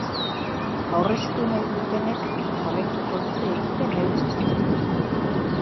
Aurreztu nahi dutenek, jarraituko dute egiten eurotan.